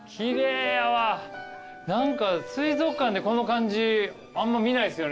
何か水族館でこの感じあんま見ないっすよね。